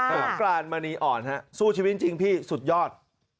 สงกรานมณีอ่อนฮะสู้ชีวิตจริงพี่สุดยอด